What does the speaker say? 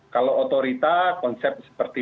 kalau otorita konsep seperti